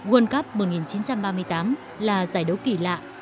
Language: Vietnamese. world cup một nghìn chín trăm ba mươi tám là giải đấu kỳ lạ